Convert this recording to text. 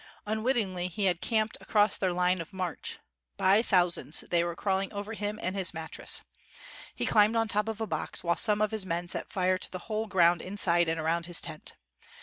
Unwittingly he had camped across their line of march. By thousands they were crawling over him and his mattress. He climbed on top of a box, while some of his men set fire to the whole ground inside and around his tent.